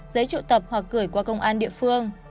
giấy triệu tập hoặc gửi qua công an địa phương